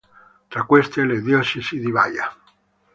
Tra queste, la diocesi di Baia.